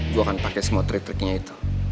gue akan pakai semua trik triknya itu